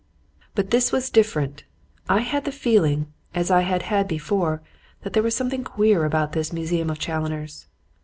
But this was different. I had the feeling, as I had had before, that there was something queer about this museum of Challoner's.